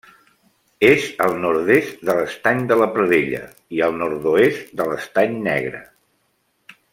És al nord-est de l'Estany de la Pradella i al nord-oest de l'Estany Negre.